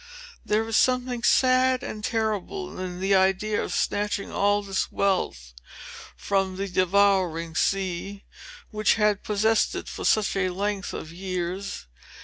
There is something sad and terrible in the idea of snatching all this wealth from the devouring ocean, which had possessed it for such a length of years.